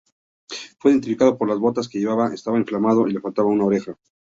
Fue identificado por las botas que llevaba, estaba inflamado y le faltaba una oreja.